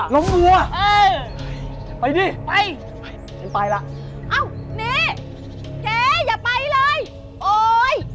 ล้อมวัวเออไปดิไปฉันไปล่ะอ้าวนี่เก๋อย่าไปเลยโอ้ย